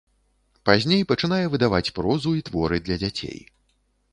Пазней пачынае выдаваць прозу і творы для дзяцей.